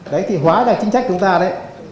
đấy thì hóa ra chính trách chúng ta đấy